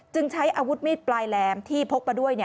ใช้อาวุธมีดปลายแหลมที่พกมาด้วย